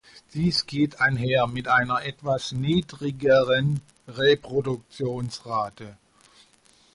Dies geht einher mit einer etwas niedrigeren Reproduktionsrate.